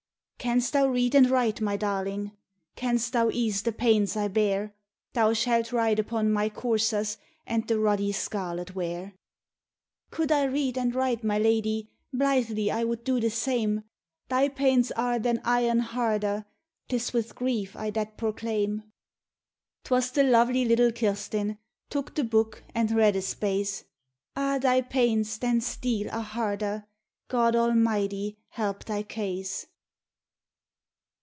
"Canst thou read and write, my darling? Canst thou ease the pains I bear? Thou shalt ride upon my coursers, And the ruddy scarlet wear." "Could I read and write, my lady, Blythely I would do the same; Thy pains are than iron harder, 'Tis with grief I that proclaim." 'Twas the lovely little Kirstine, Took the book and read a space— "Ah, thy pains than steel are harder, God Almighty help thy case!"